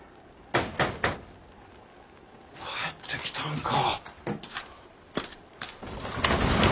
帰ってきたんか。